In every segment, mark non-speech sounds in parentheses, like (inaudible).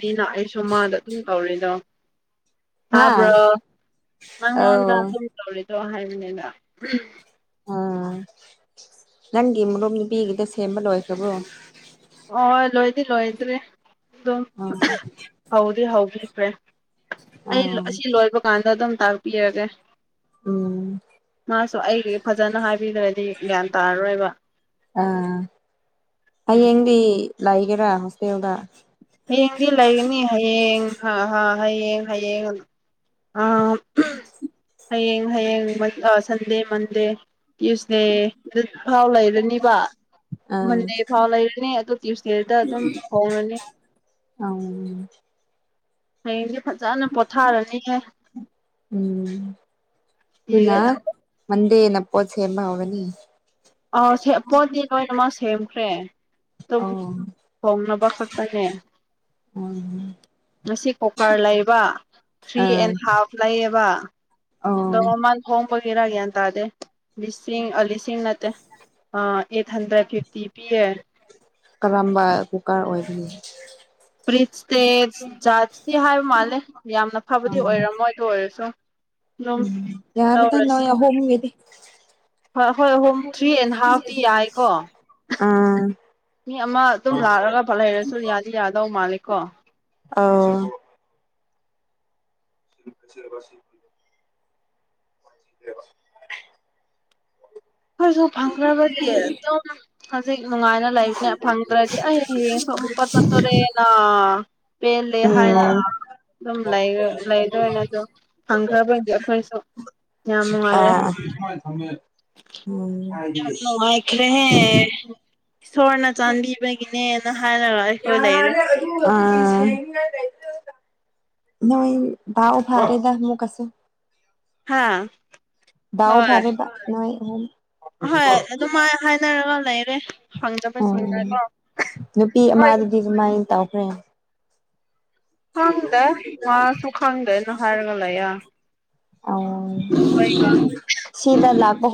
ꯅꯤꯅ ꯑꯩꯁꯨ ꯃꯥꯗ ꯑꯗꯨꯝ ꯀꯧꯔꯤꯗꯣ ꯍꯥ ꯐꯥꯕ꯭ꯔꯣ ꯅꯪꯉꯣꯟꯗ ꯑꯧ ꯑꯗꯨꯨꯝ ꯇꯧꯔꯤꯗꯣ ꯍꯥꯏꯕꯅꯤꯅ ꯎꯥ ꯅꯪꯒꯤ ꯃꯔꯨꯞ ꯅꯨꯄꯤꯒꯤꯗ ꯁꯦꯝꯕ ꯂꯣꯏꯈꯕ꯭ꯔꯣ ꯑꯣ ꯂꯣꯏꯗꯤ ꯂꯣꯏꯗ꯭ꯔꯦ ꯑꯗꯨꯝ ꯑꯥ ꯍꯧꯗꯤ ꯍꯧꯕꯤꯈ꯭ꯔꯦ ꯑꯩ ꯑꯥ ꯑꯁꯤ ꯂꯣꯏꯕ ꯀꯥꯟꯗ ꯑꯗꯨꯝ ꯇꯥꯛꯄꯤꯔꯒꯦ ꯎꯝ ꯃꯥꯁꯨ ꯑꯩꯒꯤ ꯐꯖꯅ ꯍꯥꯏꯕꯤꯗ꯭ꯔꯗꯤ ꯒ꯭ꯌꯥꯟ ꯇꯥꯔꯔꯣꯏꯕ ꯑꯥ ꯎꯝ ꯍꯌꯦꯡꯗꯤ ꯂꯥꯛꯒꯦꯔꯥ ꯍꯣꯁꯇꯦꯜꯗ ꯍꯌꯦꯡꯗꯤ ꯂꯩꯒꯅꯤ ꯍꯌꯦꯡ ꯍꯥ ꯍ ꯍꯌꯦꯡ ꯍꯌꯦꯡ ꯍꯌꯦꯡ ꯍꯌꯦꯡ ꯁꯟꯗꯦ ꯃꯟꯗꯦ ꯌꯨꯁꯅꯦ ꯑꯗꯨ ꯐꯥꯎ ꯂꯩꯔꯅꯤꯕ ꯑꯥ ꯃꯟꯗꯦ ꯐꯥꯎ ꯂꯩꯔꯅꯤ ꯑꯣ ꯇ꯭ꯌꯨꯁꯗꯦꯗ ꯑꯗꯨꯝ ꯍꯧꯔꯅꯤ ꯑ ꯍꯌꯦꯡꯁꯦ ꯐꯖꯅ ꯄꯣꯊꯥꯔꯅꯤꯍ ꯎꯝ ꯑꯗꯨꯅ ꯃꯟꯗꯦ ꯅ ꯄꯣꯁꯦꯃꯅꯤ ꯑ ꯄꯣꯠꯇꯤ ꯂꯣꯏꯅꯃꯛ ꯁꯦꯝꯈ꯭ꯔꯦ ꯑꯗꯨꯝ ꯑꯣ ꯍꯣꯡꯅꯕ ꯈꯛꯇꯅꯦ ꯎꯝ ꯉꯁꯤ ꯀꯨꯀꯔ ꯂꯩꯕ ꯊ꯭ꯔꯤ ꯑꯥ ꯑꯦꯟ ꯍꯥꯐ ꯂꯩꯌꯦꯕ ꯑꯣ ꯗꯃꯥꯟ ꯍꯣꯝ ꯄꯒꯦꯔꯒꯦꯦꯟ ꯇ ꯑꯗꯦ ꯑꯂꯤ ꯅꯠꯇꯦ ꯑꯩꯠ ꯍꯟꯗ꯭ꯔꯦꯠ ꯐꯤꯐꯇꯤ ꯄꯤꯌꯦ ꯀꯔꯝꯕ ꯀꯨꯀꯔ ꯑꯣꯏꯕꯅꯤ ꯄ꯭ꯔꯤꯁꯇꯦ ꯖꯥꯁꯇꯤ ꯍꯥꯏꯕ ꯃꯥꯜꯂꯦ ꯌꯥꯝꯅ ꯐꯕꯗꯤ ꯑꯥ ꯑꯣꯏꯔꯝꯃꯣꯏꯗ ꯑꯣꯏꯔꯁꯨ ꯑꯗꯨꯝ ꯎꯝ ꯌꯥꯔꯗ ꯅ ꯂꯧꯔꯁꯤ ꯌꯥ ꯍꯗꯤ ꯍꯣꯏ ꯍꯣꯏ ꯑꯍꯣꯨꯝ ꯊ꯭ꯔꯤ ꯑꯦꯟ ꯍꯥꯐꯇꯤ ꯌꯥꯏꯀꯣ ꯑꯥ ꯃꯤ ꯑꯃ ꯑꯗꯨꯝ ꯂꯥꯛꯂꯒ ꯐꯠ ꯍꯩꯔꯁꯨ ꯌꯥꯗꯤ ꯌꯥꯗꯧ ꯃꯥꯜꯂꯦꯀꯣ ꯑ ꯁꯤꯁꯤꯔꯕꯁꯤꯣ (inaudible) ꯑꯩꯈꯣꯏꯁꯨ ꯐꯪꯈ꯭ꯔꯕꯒꯤ ꯑꯗꯨꯝ ꯐꯖꯩ ꯅꯨꯡꯉꯥꯏꯅ ꯂꯩꯕꯅꯦ ꯐꯪꯗ꯭ꯔꯗꯤ ꯑꯩ ꯍꯌꯦꯡ ꯁꯣꯛꯃꯨꯛꯀꯣ ꯆꯠꯇꯣꯔꯦꯅ ꯄꯦꯜꯂꯦ ꯎꯝ ꯍꯥꯏꯅ ꯑꯗꯨꯝ ꯂꯩꯗꯣꯏꯅꯦ ꯑꯗꯣ ꯐꯪꯈ꯭ꯔꯕꯗꯤ ꯑꯩꯈꯣꯏꯁꯨ ꯌꯥꯝ ꯅꯨꯡꯉꯥꯏꯔꯦ ꯊꯝꯃꯦ ꯎꯝ ꯌꯥꯝ ꯍꯥꯏ ꯅꯨꯡꯉꯥꯏꯈ꯭ꯔꯦꯍꯦ ꯏꯁꯣꯔꯅ ꯆꯥꯟꯕꯤꯕꯒꯤꯅꯦꯅ ꯍꯥꯏꯔꯒ ꯑꯩꯈꯣꯏ ꯂꯩꯔꯦ ꯌꯥꯔꯦ ꯅꯣꯏ ꯎ ꯐꯔ ꯂꯩꯗꯥꯛ ꯃꯛ ꯑꯁ ꯍꯥꯥ ꯗꯎ ꯐꯔꯦ ꯅꯣꯏ ꯍ ꯍꯣꯏ ꯑꯗꯨꯝ ꯍꯥꯏꯅꯔꯒ ꯂꯩꯔꯦ ꯎꯝ ꯐꯪꯗꯕꯁꯤꯡꯅꯀꯣ ꯅꯨꯄꯤ ꯍꯣꯏ ꯑꯃꯗꯨꯗꯤ ꯀꯃꯥꯏꯅ ꯇꯧꯈ꯭ꯔꯦ ꯈꯪꯗꯦ ꯃꯥꯁꯨ ꯈꯪꯗꯦꯅ ꯍꯥꯏꯔꯒ ꯂꯩꯌꯦ ꯑ ꯑꯩꯈꯣꯏꯒ ꯁꯤꯗ ꯂꯥꯛ ꯣꯏ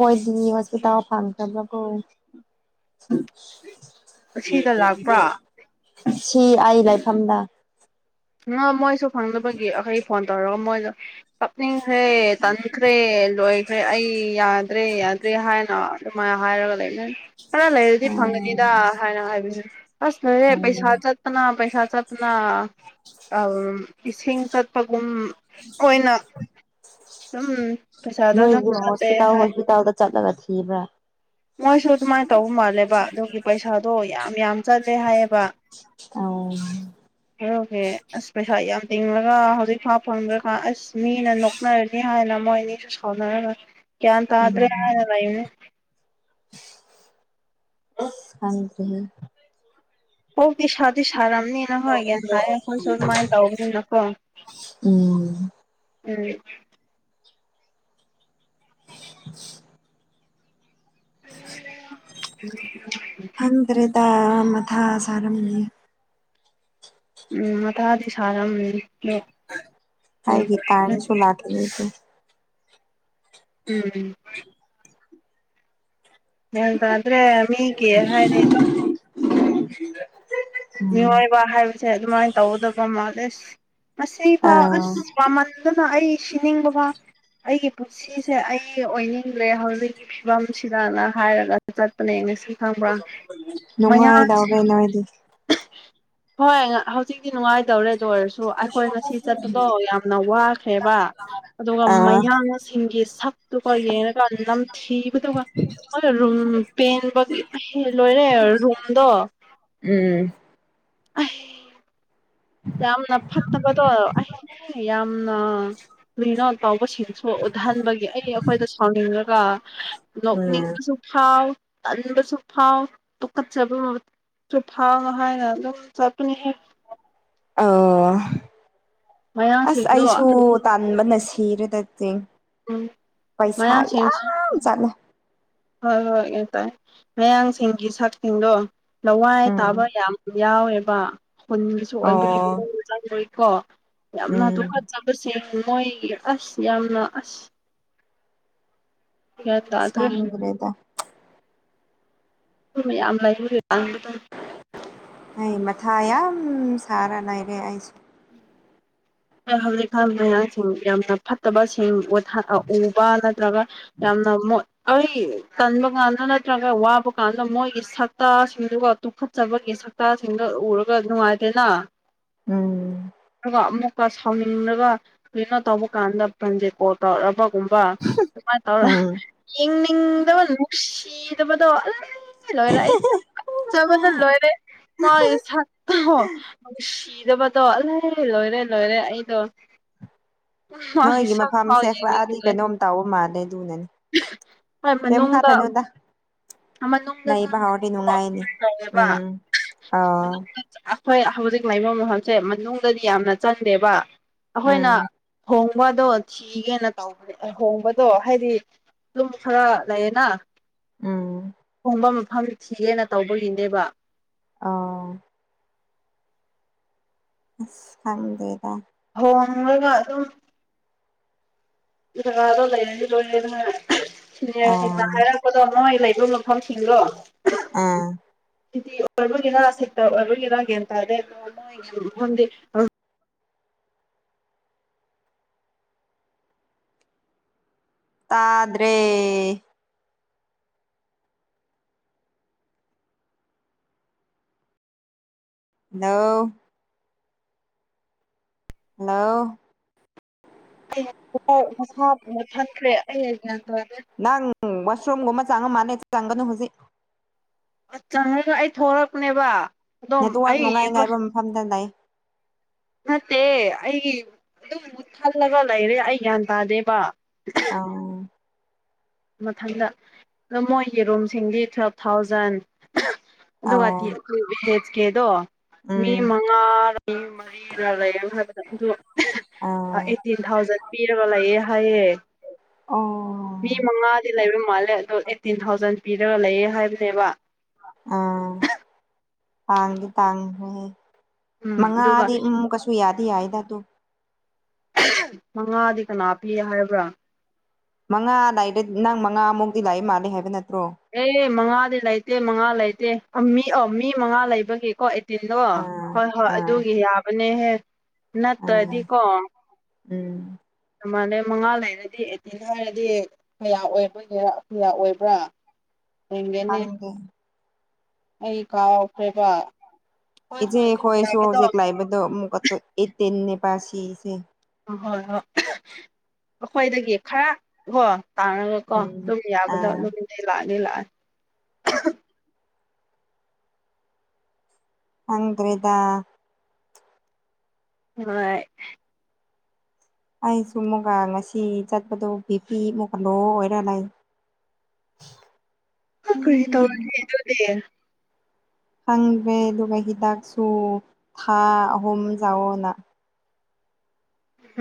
ꯍꯣꯁꯄꯤꯇꯥꯜ ꯐꯝ ꯆꯂꯕꯨ ꯑꯁꯤꯗ ꯂꯥꯛꯄ꯭ꯔꯥ ꯁꯤ ꯑꯩ ꯂꯥꯏꯐꯝꯗ ꯑ ꯃꯣꯏꯁꯨ ꯐꯪꯖꯕꯒꯤ ꯑꯩꯈꯣꯏ ꯐꯣꯟ ꯇꯧꯔꯒ ꯃꯣꯏꯗ ꯀꯞꯅꯤꯡꯈ꯭ꯔꯦ ꯇꯟꯈ꯭ꯔꯦ ꯂꯣꯏꯈ꯭ꯔꯦ ꯑꯩ ꯌꯥꯗ꯭ꯔꯦ ꯌꯥꯗ꯭ꯔꯦ ꯍꯥꯏꯅ ꯑꯗꯨꯃꯥꯏꯅ ꯍꯥꯏꯔꯒ ꯂꯩꯃꯤꯅꯤ ꯈꯔ ꯂꯩꯔꯗꯤ ꯎꯝ ꯐꯪꯒꯅꯤꯗ ꯍꯥꯏꯅ ꯍꯥꯏꯕꯤ ꯑꯁ ꯂꯩꯔꯦ ꯎꯝ ꯄꯩꯁꯥ ꯆꯠꯄꯅ ꯄꯩꯁꯥ ꯆꯠꯅ ꯏꯁꯤꯡ ꯆꯠꯄꯒꯨꯝ ꯑꯣꯏꯅ ꯑꯗꯨꯝ ꯄꯩꯁꯥꯗꯣ ꯃꯣꯏ ꯑꯗꯨꯝ ꯆꯠꯂꯦ ꯍꯣꯁꯄꯤꯇꯥꯜ ꯍꯥꯏ ꯍꯣꯁꯄꯤꯇꯥꯜꯗ ꯆꯠꯂꯒ ꯊꯤꯕ꯭ꯔ ꯃꯣꯏꯁꯨ ꯑꯗꯨꯃꯥꯏꯅ ꯇꯧꯕ ꯃꯥꯜꯂꯦꯕ ꯑꯗꯨꯒꯤ ꯄꯩꯁꯥꯗꯣ ꯌꯥꯝ ꯌꯥꯝ ꯆꯠꯂꯦ ꯍꯥꯏꯌꯦꯕ ꯑ ꯦ ꯑꯁꯃꯦꯁ ꯇꯤꯡꯡꯂꯒ ꯍꯧꯖꯤꯛꯐꯥꯎ ꯐꯪꯗ꯭ꯔꯀꯥꯟ ꯑꯁ ꯃꯤꯅ ꯅꯣꯛꯅꯔꯅꯤ ꯍꯥꯏꯅ ꯃꯣꯏ ꯑꯅꯤꯁꯨ ꯁꯥꯎꯅꯔꯒ ꯀꯌꯥ ꯊꯥ ꯇꯔꯦ ꯍꯥꯏꯅ ꯂꯅꯦ (unintelligible) ꯀꯣꯛꯇꯤ ꯁꯥꯗꯤ ꯁꯥꯔꯝꯅꯤꯅ ꯍꯣꯏ ꯒꯟ ꯇꯥꯏ ꯑꯩꯈꯣꯏꯁꯨ ꯑꯗꯨꯃꯥꯏꯅ ꯇꯧꯕꯅꯤꯅꯀꯣ ꯎꯝ ꯎꯝ (unintelligible) ꯍꯪ ꯇ꯭ꯔꯔꯤꯇꯥ ꯃꯊꯥ ꯁꯔ ꯃꯦ ꯎꯝ ꯑꯇꯥꯗꯤ ꯁꯥꯔꯝꯗꯤ ꯍꯥꯏꯒꯤ ꯇꯥꯅꯁꯨ ꯂꯥꯛꯀꯦ ꯂꯩꯦ ꯎꯝ ꯌꯥꯗꯗ꯭ꯔꯦ ꯃꯤꯒꯤꯦ ꯍꯥꯏ ꯎꯝ ꯃꯤꯑꯣꯏꯕ ꯍꯥꯏꯕꯁꯦ ꯑꯗꯨꯃꯥꯏꯅ ꯇꯧꯒꯗꯕ ꯃꯥꯂꯦ ꯑ ꯃꯁꯤꯐꯥꯎ ꯑꯁ ꯃꯃꯟꯗꯨꯅ ꯑꯩ ꯁꯤꯅꯤꯡꯕ ꯐꯥꯎ ꯑꯩꯒꯤ ꯄꯨꯟꯁꯤꯁꯦ ꯑꯩ ꯑꯣꯏꯅꯤꯡꯂꯦ ꯍꯧꯖꯤꯛꯀꯤ ꯐꯤꯕꯝꯁꯤꯗꯅ ꯍꯥꯏꯔꯒ ꯆꯠꯄꯅꯦ ꯁꯨ ꯈꯕ꯭ꯔꯥ ꯅꯅꯨꯡ ꯍꯥꯏꯗꯑꯒꯦꯩꯅꯣ ꯍꯥꯏꯗꯤ ꯎ ꯍꯣꯏ ꯍꯧꯖꯤꯛꯇꯤ ꯅꯨꯡꯉꯥꯏꯇꯧꯔꯦꯗꯣ ꯑꯣꯏꯔꯁꯨ ꯑꯩꯈꯣꯏ ꯉꯁꯤ ꯆꯠꯄꯗꯣ ꯌꯥꯝꯅ ꯋꯥꯈ꯭ꯔꯦꯕ ꯑꯗꯨꯒ ꯑꯥ ꯃꯌꯥꯡꯁꯤꯡꯒꯤ ꯁꯛꯇꯨꯒ ꯌꯦꯡꯉꯒ ꯅꯝꯊꯤꯕꯗꯨꯒ ꯍꯣꯏ ꯔꯨꯝ ꯄꯦꯟꯕꯒꯤ ꯂꯣꯏꯔꯦ ꯔꯨꯝꯗꯣ ꯎꯝ ꯑ ꯌꯥꯝꯅ ꯐꯠꯇꯕꯗꯣ ꯑꯩ ꯌꯥꯝꯅ ꯀꯨꯏꯅ ꯇꯥꯎꯕꯁꯤꯡꯁꯨ ꯑꯍꯟꯕꯒꯤ ꯑꯩ ꯑꯩꯈꯣꯏꯗ ꯁꯥꯎꯅꯤꯡꯉꯒ ꯎꯝ ꯅꯣꯛꯅꯤꯡꯕꯁꯨ ꯐꯥꯎ ꯑꯟꯗꯁꯨ ꯐꯥꯎ ꯇ ꯀꯠ ꯆꯦꯕ ꯁ ꯐꯥꯎꯅ ꯍꯥꯏꯅ ꯑꯗꯨꯝ ꯆꯠꯄꯅꯤ ꯍꯦꯛ ꯑꯣ ꯑꯁ ꯃꯌꯥꯡꯁꯤꯡꯗꯣ ꯑꯩꯁꯨ ꯇꯥꯟꯕꯅꯁ ꯊꯤꯔꯗ ꯆꯤꯡ ꯎꯝ ꯄꯩꯁꯥ ꯃꯌꯥꯡꯁꯤꯡ ꯌꯥꯝ ꯆꯠꯂꯦ ꯍꯣꯏ ꯍꯣꯏꯇꯥꯥꯏꯦ ꯃꯌꯥꯡꯁꯤꯡꯒꯤ ꯁꯛꯁꯤꯡꯗꯣ ꯂꯋꯥꯏ ꯇꯥꯕ ꯎꯝ ꯌꯥꯝ ꯌꯥꯎꯋꯦꯕ ꯈꯨꯨꯟꯒꯤꯁꯨ ꯑꯣꯏꯗꯔꯤ ꯑꯣ ꯆꯪꯗꯔꯤꯀꯣ ꯌꯥꯝꯅ ꯗꯨ ꯎꯝ ꯈꯠ ꯆꯕꯁꯦ ꯃꯣꯏ ꯑꯁ ꯌꯥꯝꯅ ꯑꯁ ꯒ꯭ꯌꯥꯟ ꯁꯉꯔꯦꯗ ꯌꯥꯝ ꯂꯩꯥꯏꯕꯔꯤ ꯑꯩ ꯃꯊꯥ ꯌꯥꯝ ꯌꯥꯝ ꯁꯔꯥꯅꯥꯏꯔꯦ ꯑꯩꯁꯨ ꯍꯧꯖꯤꯛꯀꯥꯟ ꯃꯌꯥꯝꯁꯤꯡ ꯌꯥꯝꯅ ꯐꯠꯇꯕꯁꯤꯡ ꯎꯕ ꯅꯠꯇ꯭ꯔꯒ ꯌꯥꯝꯅ ꯑꯩ ꯇꯟꯕ ꯀꯥꯟꯗ ꯅꯠꯇ꯭ꯔꯒ ꯋꯥꯕ ꯀꯥꯟꯗ ꯃꯣꯏꯒꯤ ꯁꯛꯇꯁꯤꯡꯗꯨꯒ ꯇꯨꯈꯠꯆꯕꯒꯤ ꯁꯛꯇꯥꯁꯤꯡꯒ ꯎꯔꯒ ꯅꯨꯡꯉꯥꯏꯗꯦꯅ ꯎꯝ ꯑꯗꯨꯒ ꯑꯃꯨꯛꯀ ꯁꯥꯎꯅꯤꯡꯂꯒ ꯀꯣꯏꯩꯅꯣ ꯇꯧꯕ ꯀꯥꯟꯗ ꯄ꯭ꯔꯟꯖꯦ ꯀꯣꯜ ꯇꯧꯔꯛꯔꯕ ꯨꯝꯕ ꯑꯗꯨꯃꯥꯏꯅ ꯇꯧꯔ ꯎꯝ ꯌꯦꯡꯅꯤꯡꯗꯕ ꯅꯨꯡꯁꯤꯗꯕꯗꯣ ꯂꯣꯏꯔꯦ ꯑꯩ ꯐꯠꯆꯕꯅ ꯂꯣꯏꯔꯦ ꯃꯥꯣ ꯁꯤꯔ ꯖꯕ ꯇꯣ ꯑꯜꯥꯏ ꯂꯣꯏꯔꯦ ꯂꯣꯏꯔꯦ ꯑꯩ ꯇꯣ ꯅꯣꯏꯒꯤ ꯃꯐꯝ ꯁꯦꯈꯂꯛꯑꯗꯤ ꯀꯩꯅꯣꯝ ꯇꯥꯎꯕ ꯃꯥꯜꯂꯦ ꯑꯗꯨꯅꯅꯦ ꯑꯦꯝ ꯈꯔꯦ ꯅꯗ ꯦꯕ ꯎꯝ ꯑꯥ ꯍꯣꯏ ꯍꯧꯖꯤ ꯛ ꯃꯥꯏꯕ ꯃꯐꯝꯁꯦ ꯃꯅꯨꯡꯗꯗꯤ ꯌꯥꯝꯅ ꯆꯪꯗꯦꯕ ꯑꯩꯈꯣꯏꯅ ꯎꯝ ꯍꯍꯣꯡꯕꯗꯣ ꯊꯤꯒꯦꯅ ꯇꯧꯕꯅꯦꯍꯣꯡꯕꯗꯣ ꯍꯥꯏꯗꯤ ꯑꯗꯨꯝ ꯈꯔ ꯂꯩꯌꯦꯅ ꯎꯝ ꯐꯝꯕ ꯃꯐꯝ ꯊꯤꯒꯦꯅ ꯇꯧꯕꯒꯤꯅꯦꯕ ꯑ ꯊꯪꯗꯦꯗ ꯑꯣ ꯑꯗꯨ ꯖꯒꯥꯗꯣ ꯂꯩꯔꯅꯤ ꯂꯣꯏꯔꯦ ꯑꯗꯨꯅ ꯁꯦꯡꯅ ꯑꯥ ꯍꯥꯏꯔꯛꯄꯗꯣ ꯅ ꯂꯩ ꯑꯗꯨ ꯃꯐꯝꯁꯤꯡꯗꯣ ꯑꯥ ꯁꯇꯤ ꯑꯣꯏꯕꯒꯤꯔꯥ ꯁꯦꯛꯇ ꯑꯣꯏꯕꯒꯤꯔꯥ ꯒ꯭ꯟ ꯇꯥꯔꯦ ꯑꯗꯨ ꯈꯪꯗꯦ ꯑ ꯇꯥꯗ꯭ꯔꯦ ꯅ ꯍꯜꯂꯣ ꯑꯩ ꯃꯁꯥꯨꯝꯕ ꯊꯈ꯭ꯔꯦ ꯑꯩ ꯅꯪ ꯋꯥꯁꯔꯨꯝꯒꯨꯝꯕ ꯆꯪꯉ ꯃꯥꯥꯟꯂꯦ ꯆꯪꯒꯅꯨ ꯍꯧꯖꯤꯛ ꯑ ꯆꯪꯉꯒ ꯑꯩ ꯊꯣꯛꯂꯛꯄꯅꯦꯕ ꯗꯣ ꯅꯦꯠꯋꯥꯛ ꯑꯩ ꯅꯨꯡꯉꯥꯏ ꯉꯥꯏꯕ ꯃꯐꯝꯗ ꯂꯩ ꯅꯠꯇ ꯑꯩꯒꯤ ꯑꯗꯨꯝ ꯊꯜꯂꯒ ꯂꯩꯔꯦ ꯑꯩ ꯒ꯭ꯌꯥꯟ ꯇꯥꯗꯦꯕ ꯑ ꯃꯊꯪꯗ ꯑꯗꯣ ꯃꯣꯏꯒꯤ ꯔꯨꯝꯁꯤꯡꯗꯤ ꯇꯨꯋꯦꯜꯞ ꯊꯥꯎꯖꯟ ꯑꯗꯨꯒ ꯑꯥꯎ ꯋꯥꯇꯤ ꯔꯦꯁꯀꯦꯗꯣ ꯃꯤ ꯎꯝ ꯃꯉꯥ ꯃꯤ ꯃꯔꯤꯔ ꯂꯩ ꯍꯥꯏꯕꯗ ꯑꯗꯨ ꯑꯥ ꯑꯩꯠꯇꯤꯟ ꯊꯥꯎꯖꯟ ꯄꯤꯔꯒ ꯂꯩꯥꯛꯑꯦ ꯍꯥꯏꯌꯦ ꯑꯣ ꯃꯤ ꯃꯉꯥꯗꯤ ꯂꯩꯕ ꯃꯥꯜꯂꯦ ꯑꯗꯣ ꯑꯩꯠꯇꯤꯟ ꯊꯥꯎꯖꯟ ꯄꯤꯔꯒ ꯂꯩꯌꯦ ꯍꯥꯏꯕꯅꯦꯕ ꯑꯥ ꯇꯥꯡꯒꯤ ꯇꯥꯡꯉ꯭ꯔꯦꯦ ꯎꯝ ꯑꯗꯨꯒ ꯃꯉꯥꯗꯤ ꯀꯩꯁꯨ ꯌꯥꯗ ꯍꯥꯏꯏꯗꯇꯣ ꯃꯉꯥꯗꯤ ꯀꯅꯥ ꯄꯤ ꯍꯥꯏꯕ꯭ꯔꯥ ꯃꯉꯥ ꯂꯥꯏꯏꯗ ꯅꯪ ꯃꯉꯥꯃꯨꯛꯇꯤ ꯂꯥꯛꯏ ꯃꯥꯜꯂꯦ ꯍꯥꯏꯕ ꯅꯠꯇꯦ ꯑꯦ ꯃꯉꯥꯗꯤ ꯂꯩꯇꯦ ꯃꯉꯥ ꯂꯩꯇꯦ ꯃꯤ ꯑ ꯃꯤ ꯃꯉꯥ ꯂꯩꯕꯒꯤꯀꯣ ꯇꯤꯟꯗꯣ ꯑꯥ ꯍꯣꯏ ꯍꯣꯏ ꯑꯥ ꯑꯗꯨꯒꯤ ꯌꯥꯕꯅꯦꯍꯦ ꯑꯥ ꯅꯠꯇ꯭ꯔꯗꯤꯀꯣ ꯎꯝ ꯃꯥꯥꯟꯅ ꯃꯉꯥ ꯂꯩꯔꯗꯤ ꯑꯦꯇꯤꯟ ꯍꯥꯏꯔꯗꯤ ꯀꯌꯥ ꯑꯣꯏꯕꯒꯦꯔꯥ ꯀꯌꯥ ꯑꯣꯏꯕ꯭ꯔꯥ ꯍꯦꯟꯅ ꯈꯪꯗꯦ ꯑꯩ ꯀꯥꯎꯈ꯭ꯔꯦꯕ ꯍꯣꯏ ꯏꯁꯦ ꯍꯣꯏ ꯑꯗꯨꯝ ꯀꯣꯏꯁꯨ ꯌꯥꯕꯗꯣ ꯍꯧꯖꯤꯛ ꯍꯣꯏ ꯂꯥꯏꯕꯗ ꯑꯃꯨꯛꯊ ꯇ ꯄꯁꯤꯁꯦ ꯑ ꯍꯣꯏ ꯍꯣꯏ (unintelligible) ꯑꯩꯈꯣꯏꯗꯒꯤ ꯈꯔ ꯍꯣ ꯇꯥꯡꯔꯒ ꯀꯣ ꯎꯝ ꯑꯗꯨꯝ ꯌꯥꯕꯗꯣ ꯑꯥ ꯅꯨꯃꯤꯠꯩ ꯂꯥꯛꯑꯦ ꯂ ꯑꯗ꯭ꯔꯦꯗ ꯍꯣꯏ ꯑꯩꯁꯨ ꯑꯃꯨꯛꯀ ꯉꯁꯤ ꯆꯠꯄꯗꯣ ꯕꯤ ꯄꯤ ꯃꯨꯛꯀ ꯂꯣ ꯑꯣꯏꯔ ꯂꯩ (unintelligible) ꯇꯗ ꯈꯪꯗ꯭ꯔꯦ ꯑꯗꯨꯒ ꯍꯤꯗꯥꯛꯁꯨ ꯊꯥ ꯑꯍꯨꯝ ꯌꯥꯑꯣꯅ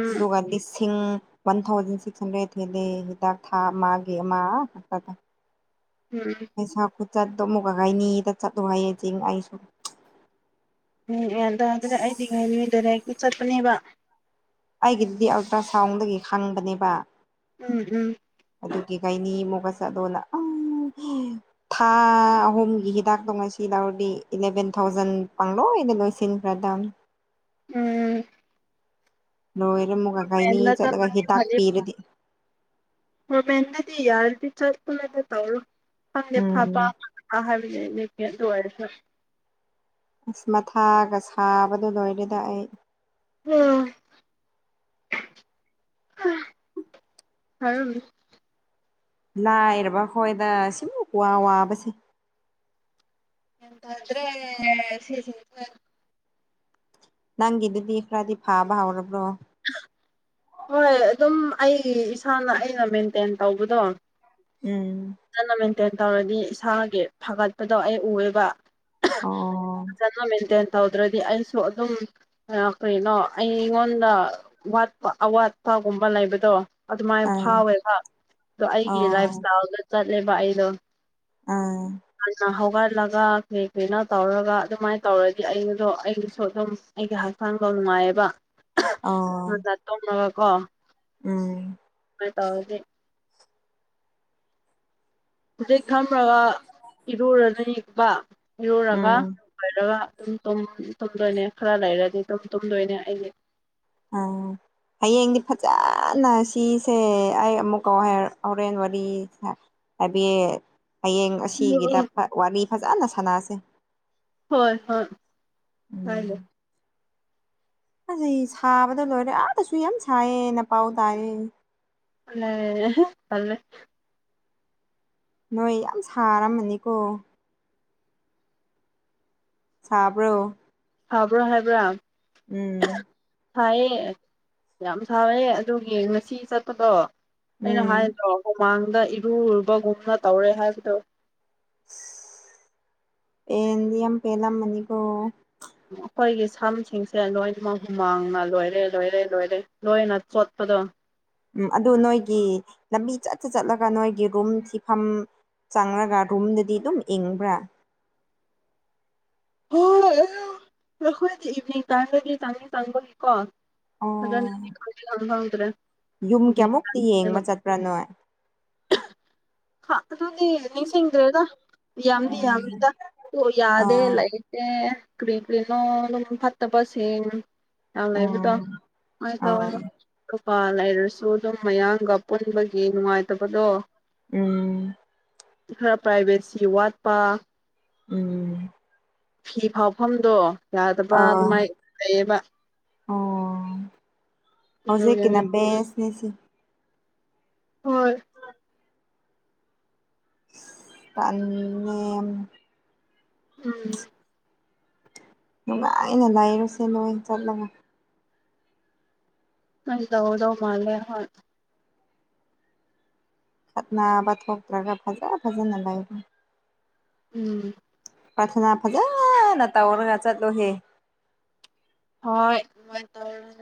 ꯎꯝ ꯗꯨꯒꯥꯗꯤꯁꯤꯡ ꯋꯥꯟ ꯊꯥꯎꯖꯟ ꯁꯤꯛꯁ ꯍꯟꯗ꯭ꯔꯦꯗ ꯊꯦꯂꯦ ꯍꯤꯗꯥꯛ ꯊꯥ ꯑꯃꯒꯤ ꯑꯃ ꯎꯝ ꯄꯩꯁꯥ ꯀꯆꯠꯇꯣ ꯑꯃꯨꯛ ꯀꯒꯥꯏꯅꯤꯗ ꯆꯠꯂꯨ ꯍꯥꯏꯌꯦ ꯆꯤꯡ ꯑꯩ ꯁꯨꯝ ꯎꯝ ꯌꯥꯟ ꯇꯥꯗ꯭ꯔꯦ ꯑꯩꯗꯤ ꯉꯥꯏ ꯅꯨꯃꯤꯗꯔ ꯍꯦꯛꯇ ꯆꯠꯄꯅꯦꯕ ꯑꯩꯒꯤꯗꯨꯗꯤ ꯑꯜꯇ꯭ꯔꯥꯁꯥꯎꯟꯗꯒꯤ ꯈꯪꯕꯅꯦꯕ ꯎꯝ ꯍꯝ ꯑꯗꯨꯒꯤꯒꯩꯅꯤ ꯑꯃꯨꯛꯀ ꯆꯠꯗꯣꯅ ꯑ ꯊꯥ ꯑꯍꯨꯝꯒꯤ ꯍꯤꯗꯥꯛꯇꯣꯡꯉꯥꯏꯁꯤ ꯌꯥꯎꯔꯗꯤ ꯏꯂꯚꯦꯟ ꯊꯥꯎꯖꯟ ꯄꯥꯡꯂꯣ ꯏ ꯂꯣꯏꯁꯤ꯭ꯔꯥꯗꯝ ꯎꯝ ꯂꯣꯏꯔꯝꯃꯨꯒꯈꯥꯏꯅꯤ ꯇ꯭ꯔꯦꯟꯗ ꯆꯠꯂꯒ ꯍꯤꯗꯥꯛ ꯄꯤꯔꯗꯤ ꯣꯔꯃꯦꯟꯗꯗꯤ ꯌꯥꯔꯗꯤ ꯆꯨꯗ ꯇꯧꯔꯣ ꯈꯪꯗꯦ ꯐꯕ ꯎꯝ ꯍꯥꯏꯕ ꯦ ꯇꯋꯥꯔꯁ ꯑꯁ ꯃꯊꯥꯒ ꯁꯥꯕꯗꯣ ꯂꯣꯏꯔꯦꯗ ꯑꯩ ꯐ ꯍꯔ ꯂꯥꯏꯔꯕ ꯈꯣꯏꯗ ꯁꯤꯃ ꯀ ꯋꯥ ꯋꯥꯕꯁꯦ ꯌꯦꯗꯗ꯭ꯔꯦ ꯁꯤꯁꯤ ꯅꯪꯒꯤꯗꯨꯗꯤ ꯈꯔꯗꯤ ꯐꯥꯕ ꯍꯧꯥꯎꯔꯕ꯭ꯔꯣ ꯍꯣꯏ ꯑꯗꯨꯝ ꯑꯩ ꯏꯁꯥꯅ ꯑꯩꯅ ꯃꯦꯟꯇꯦꯟ ꯇꯧꯕꯗꯣ ꯎꯝ ꯐꯖꯅ ꯃꯦꯟꯇꯦꯟ ꯇꯧꯔꯅꯤ ꯏꯁꯥꯒꯤ ꯐꯒꯠꯄꯗꯣ ꯑꯩ ꯎꯑꯦꯕ ꯑꯣ ꯐꯖꯅ ꯃꯦꯟꯇꯦꯟ ꯇꯧꯗ꯭ꯔꯗꯤ ꯑꯩꯁꯨ ꯑꯗꯨꯝ ꯀꯩꯅꯣ ꯑꯩꯉꯣꯟꯗ ꯋꯥꯠꯄ ꯑꯋꯥꯠꯄꯒꯨꯝꯕ ꯂꯩꯕꯗꯣ ꯑꯗꯨꯃꯥꯏꯅ ꯑꯥ ꯐꯥꯎꯋꯦꯕ ꯑꯗꯣ ꯑꯩꯒꯤ ꯑꯣ ꯂꯥꯏꯐ ꯏꯁꯇꯥꯏꯜꯗ ꯆꯠꯂꯦꯕ ꯑꯩꯗꯣ ꯑꯥ ꯑꯥ ꯍꯒ ꯆꯠꯂꯒ ꯀꯩ ꯀꯔꯤꯩꯅ ꯇꯧꯔꯒ ꯑꯗꯨꯃꯥꯏꯅ ꯇꯧꯔꯗꯤ ꯑꯩꯗꯣ ꯑꯩꯒꯤꯁꯨ ꯑꯗꯨꯝ ꯑꯩꯒꯤ ꯍꯛꯆꯥꯡꯗ ꯅꯨꯡꯉꯥꯏ ꯃꯌꯦꯕ ꯑ ꯍꯖ ꯇꯣꯡꯉꯒ ꯀꯣ ꯎꯝ ꯇ ꯍꯧꯦ ꯍꯧꯖꯤꯛ ꯈꯝꯃꯒꯏ ꯏꯔꯨꯔꯗꯤꯀ ꯏꯔꯨꯔꯒ ꯎꯝ ꯂꯣꯏꯔꯒ ꯨꯝ ꯇꯨꯝꯗꯣꯏꯅꯦ ꯈꯔ ꯂꯩꯔꯗꯤ ꯇꯨꯝ ꯇꯨꯝꯗꯣꯏꯅꯦ ꯑꯩꯁ ꯑꯝ ꯍꯌꯦꯡꯗꯤ ꯐꯖꯅ ꯁꯤꯁꯦ ꯑꯩ ꯑꯃꯨꯛꯀꯥꯎ ꯍꯣꯔꯦꯟ ꯋꯥꯔꯤ ꯍꯥꯏꯕꯤ ꯍꯌꯦꯡ ꯑꯁꯤꯒꯤꯗ ꯋꯥꯔꯤ ꯐꯖꯅ ꯁꯥꯟꯅꯁꯦ ꯍꯣꯏ ꯍꯣꯏ ꯍꯥꯏꯗꯦ ꯎꯝ ꯑꯁꯤ ꯁꯥꯕꯗ ꯂꯣꯏꯔꯦ ꯑꯥꯗꯁꯨ ꯌꯥꯝ ꯁꯥꯏꯌꯦꯅ ꯄꯥꯎ ꯇꯥꯔꯦ ꯑꯦ ꯅꯣꯏ ꯌꯥꯝ ꯁꯥꯔꯝꯃꯅꯤꯀꯣ ꯁꯥꯕ꯭ꯔꯣ ꯍꯥꯕ꯭ꯔꯥ ꯍꯥꯏꯕ꯭ꯔꯥ ꯎꯝ ꯊꯥꯏꯌꯦ ꯌꯥꯝ ꯊꯋꯦ ꯑꯗꯨꯒꯤ ꯉꯁꯤ ꯆꯠꯄꯗꯣ ꯑꯩꯅ ꯎꯝ ꯍꯥꯏꯗ꯭ꯔꯣ ꯍꯨꯃꯥꯡꯗ ꯏꯔꯨꯨꯕꯒꯨꯝꯅ ꯇꯧꯔꯦ ꯍꯥꯏꯕꯗꯣ ꯑꯦꯗꯤ ꯄꯦꯂ ꯃꯅꯤꯀꯣ ꯑꯩꯈꯣꯏꯒꯤ ꯁꯝꯁꯤꯡꯁꯦ ꯂꯣꯏꯅꯃꯛ ꯍꯨꯃꯥꯡꯅ ꯂꯣꯏꯔꯦ ꯂꯣꯏꯔꯦ ꯂꯣꯏꯔꯦ ꯂꯣꯏꯅ ꯆꯣꯠꯄ ꯑꯗꯣ ꯎꯝ ꯑꯗꯨ ꯅꯣꯏꯒꯤ ꯂꯝꯕꯤ ꯆꯠꯇꯠꯇ ꯆꯠꯂꯒ ꯅꯣꯏꯒꯤ ꯔꯨꯝ ꯊꯤꯐꯝ ꯆꯪꯔꯒ ꯔꯨꯝꯗꯗꯤ ꯑꯗꯨꯝ ꯏꯪꯕ꯭ꯔꯥ ꯍꯣꯏꯣꯏ ꯑꯩꯈꯣꯏꯗꯤ ꯏꯚꯅꯤꯡ ꯇꯥꯏꯝꯗꯤ ꯆꯪꯉ ꯆꯪꯕꯒꯤ ꯀꯣ (unintelligible) ꯑꯣ ꯌꯨꯝ ꯀꯌꯥꯃꯨꯛꯇꯤ ꯌꯦꯡꯕ ꯆꯠꯄ꯭ꯔꯥꯅꯣꯏ ꯍꯥ ꯑꯗꯨꯗꯤ ꯅꯤꯡꯁꯤꯡꯗ꯭ꯔꯦꯗ ꯌꯥꯝꯗꯤ ꯌꯥꯝꯃꯤꯗ ꯑꯣ ꯌꯥꯗꯦ ꯑꯥ ꯂꯩ ꯑꯦ ꯀ ꯀꯅꯣ ꯐꯠꯇ ꯄꯁꯦ ꯌꯥꯝ ꯂꯩꯕꯗꯣ ꯎꯝ ꯍ ꯑꯥ ꯇꯧꯋꯦꯕ ꯄ ꯂꯩꯔꯁꯨ ꯑꯗꯨꯝ ꯃꯌꯥꯡꯒ ꯄꯨꯟꯕꯒꯤ ꯅꯨꯡꯉꯥꯏꯇꯕꯗꯣ ꯎꯝ ꯈꯔꯥ ꯄ꯭ꯔꯥꯏꯚꯦꯠꯁꯤ ꯋꯥꯠꯄꯥ ꯎꯝ ꯐꯤ ꯐꯥꯎꯐꯝꯗꯣ ꯌꯥꯗꯕ꯭ꯔ ꯑꯥ ꯑꯗꯨꯃꯥꯏꯅ ꯂꯩꯌꯦꯕ ꯑꯣ ꯍꯧꯖꯤꯦ ꯀꯅꯥ ꯑꯗꯨꯒꯤꯅꯤ ꯦꯁꯅꯦꯁꯤ ꯍ (unintelligible) ꯎꯝ ꯅꯨꯡꯉꯥꯏꯅ ꯂꯩꯔꯨꯁꯦ ꯅꯣꯏ ꯆꯠꯂꯒꯥ ꯑꯗꯧꯗꯧ ꯃꯥꯂꯦ ꯍꯣꯏ ꯈꯠꯅꯥ ꯊꯣꯛꯇ꯭ꯔꯥꯒ ꯐꯖꯥ ꯐꯖꯥꯅꯥ ꯂꯩꯥꯏꯗ ꯎꯝ ꯄ꯭ꯔꯊꯅꯥ ꯐꯖꯅ ꯇꯧꯔꯒ ꯆꯠꯂꯨꯍꯦ ꯍꯣꯏ